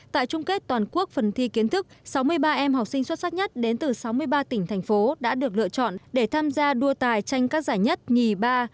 tại trung kết toàn quốc phần thi kiến thức sáu mươi ba em học sinh xuất sắc nhất đến từ sáu mươi ba tỉnh thành phố đã được lựa chọn để tham gia đua tài tranh các giải nhất nhì ba